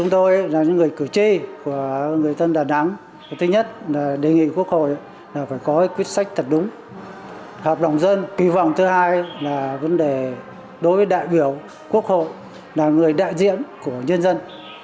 đối với đại biểu quốc hội là người đại diện của nhân dân